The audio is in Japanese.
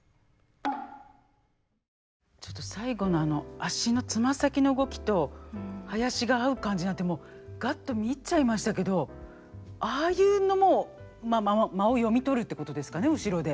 ちょっと最後の足の爪先の動きと囃子が合う感じなんてもうがっと見入っちゃいましたけどああいうのも間を読み取るってことですかね後ろで。